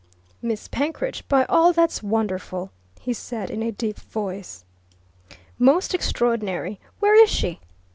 "Miss Penkridge, by all that's wonderful!" he said in a deep voice. "Most extraordinary! Where is she?"